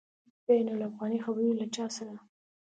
بین الافغاني خبري له چا سره؟